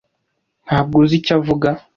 Ntabwo uzi icyo uvuga.